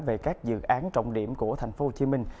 về các dự án trọng điểm của thành phố hồ chí minh